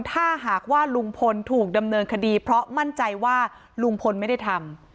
ถ้าหากว่าลุงพลถูกดำเนินคดีเพราะมั่นใจว่าลุงพลไม่ได้ทำ